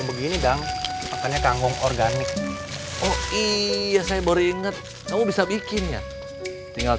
jadi sekarang kamu what is ersi roberts ryan hai